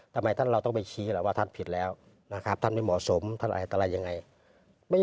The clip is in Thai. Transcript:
ทำไมท่านเราต้องไปชี้ล่ะว่าท่านผิดแล้วนะครับท่านไม่เหมาะสมท่านอะไรยังไง